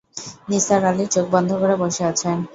নিসার আলি চোখ বন্ধ করে বসে আছেন।